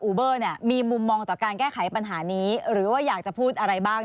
เบอร์เนี่ยมีมุมมองต่อการแก้ไขปัญหานี้หรือว่าอยากจะพูดอะไรบ้าง